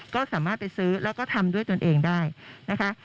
ก็สามารถไปซื้อแล้วก็ทำด้วยตนเองได้นะคะ